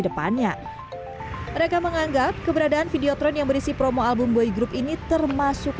depannya mereka menganggap keberadaan videotron yang berisi promo album boy group ini termasuk